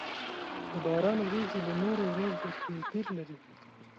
د باران ورېځې له نورو ورېځو توپير لري.